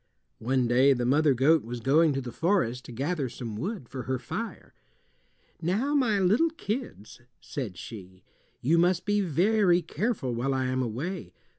One day the mother goat was going to the forest to gather some wood for her fire. "Now, my little kids," said she, "you must be very careful while I am away.